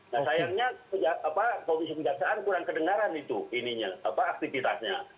nah sayangnya komisi kejaksaan kurang kedengaran itu ininya aktivitasnya